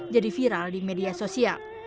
jadi viral di media sosial